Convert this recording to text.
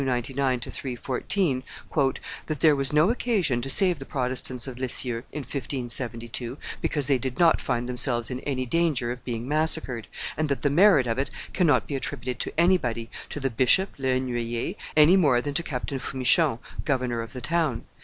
ii. pp. 299 314), "that there was no occasion to save the Protestants of Lisieux, in 1572, because they did not find themselves in any danger of being massacred, and that the merit of it cannot be attributed to anybody, to the bishop, Le Hennuyer, any more than to Captain Fumichon, governor of the town.